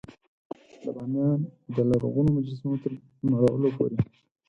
د بامیان د لرغونو مجسمو تر نړولو پورې.